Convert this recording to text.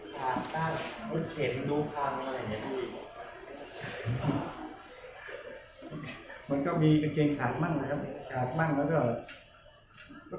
ถามถึงผ้าที่ออกมาหลายคนต้องรู้ว่า